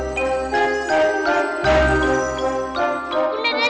tolongin teman tuan putri